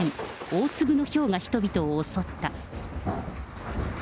大粒のひょうが人々を襲った。